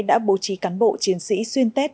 đã bố trí cán bộ chiến sĩ xuyên tết